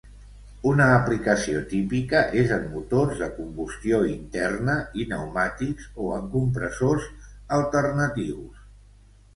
Una aplicació típica és en motors de combustió interna i pneumàtics o en compressors alternatius.